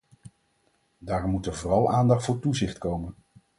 Daarom moet er vooral aandacht voor toezicht komen.